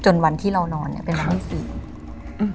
วันที่เรานอนเนี้ยเป็นวันที่สี่อืม